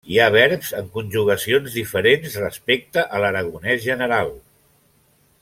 Hi ha verbs en conjugacions diferents respecte a l'aragonès general.